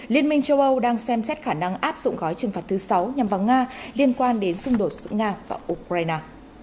liên minh châu âu đang xem xét khả năng áp dụng gói trừng phạt thứ sáu nhằm vào nga liên quan đến xung đột giữa nga và ukraine